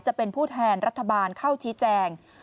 จะเป็นผู้แทนรัฐบาลเข้าชี้แจง